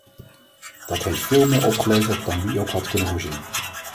Dat heeft veel meer opgeleverd dan wie ook had kunnen voorzien.